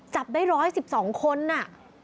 จับได้๑๑๒คนน่ะ